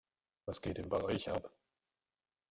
Was geht denn bei euch ab?